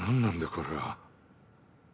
これは。